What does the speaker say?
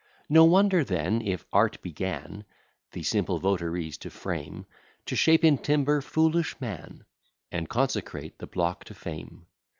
No wonder then, if art began The simple votaries to frame, To shape in timber foolish man, And consecrate the block to fame.